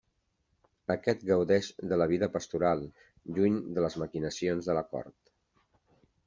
Aquest gaudeix de la vida pastoral, lluny de les maquinacions de la cort.